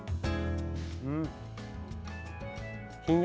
うん。